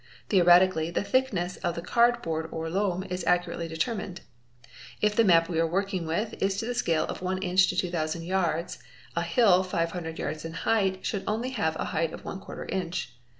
Theoretically the thickness of the card board or loam is accurately determined. If the map we are working with is to the scale of 1 inch to 2000 yds., a hill 500 yds. in height should only have a height of inch.